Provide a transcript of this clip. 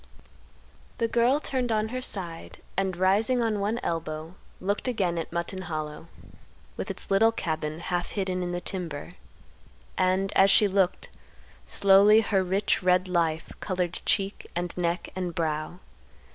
The girl turned on her side and rising on one elbow looked again at Mutton Hollow with its little cabin half hidden in the timber. And, as she looked, slowly her rich red life colored cheek, and neck, and brow.